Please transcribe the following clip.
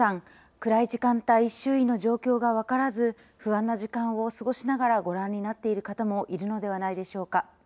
暗い時間帯周囲の状況が分からず不安な時間を過ごしながらご覧になっている方もいるのではないでしょうか。